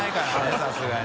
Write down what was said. さすがに。